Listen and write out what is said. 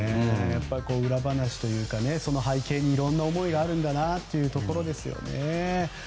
裏話というかその背景にいろんな思いがあるんだなというところですよね。